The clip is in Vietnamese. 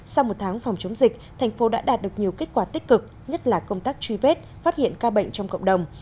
sau một tháng phòng chống dịch thành phố đã đạt được nhiều kết quả tích cực nhất là công tác truy vết phát hiện ca bệnh trong cộng đồng